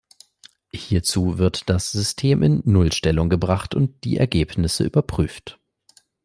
Hierzu wird das System in Nullstellung gebracht und die Ergebnisse überprüft.